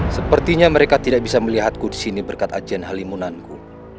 sepertinya mereka tidak bisa melihatku di sini berkat ajen halimunanku